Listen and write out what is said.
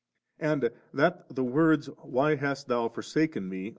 And that the words 'Why hast Thou forsaken Me?